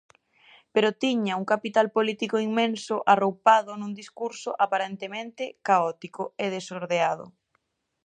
Pero tiña un capital político inmenso arroupado nun discurso aparentemente caótico e desordenado.